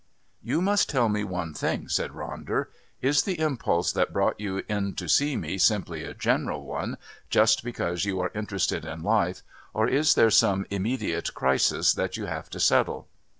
"You must tell me one thing," said Ronder. "Is the impulse that brought you in to see me simply a general one, just because you are interested in life, or is there some immediate crisis that you have to settle?